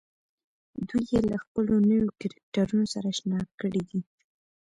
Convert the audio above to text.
دوی يې له خپلو نويو کرکټرونو سره اشنا کړي دي.